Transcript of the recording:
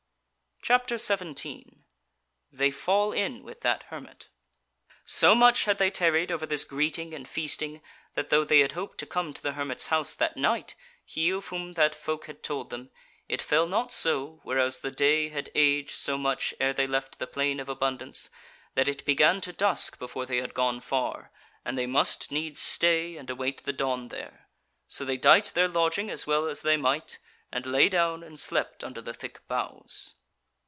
CHAPTER 17 They Fall in With That Hermit So much had they tarried over this greeting and feasting, that though they had hoped to have come to the hermit's house that night, he of whom that folk had told them, it fell not so, whereas the day had aged so much ere they left the Plain of Abundance that it began to dusk before they had gone far, and they must needs stay and await the dawn there; so they dight their lodging as well as they might, and lay down and slept under the thick boughs.